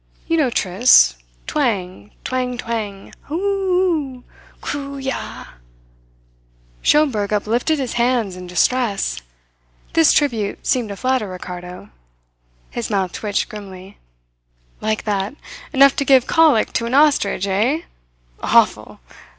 You know tristes twang, twang, twang, aouh, hoo! Chroo, yah!" Schomberg uplifted his hands in distress. This tribute seemed to flatter Ricardo. His mouth twitched grimly. "Like that enough to give colic to an ostrich, eh? Awful.